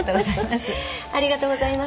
ありがとうございます。